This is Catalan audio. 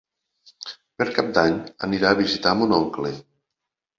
Per Cap d'Any anirà a visitar mon oncle.